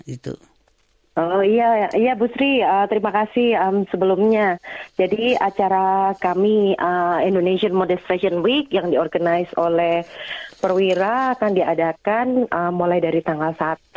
iya iya bu sri terima kasih sebelumnya jadi acara kami indonesian modest fashion week yang diorganize oleh perwira akan diadakan mulai dari tanggal satu